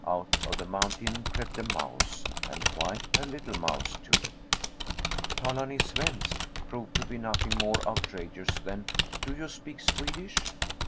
Out of the mountain crept a mouse, and quite a little mouse, too! "Talar ni svensk?" proved to be nothing more outrageous than "Do you speak Swedish?"